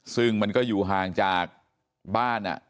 ซึ่งมันก็อยู่ห่างจากบ้าน